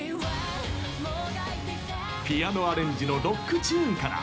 ピアノアレンジのロックチューンから。